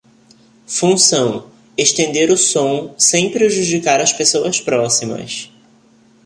Função: estender o som, sem prejudicar as pessoas próximas.